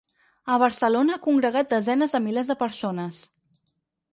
A Barcelona ha congregat desenes de milers de persones.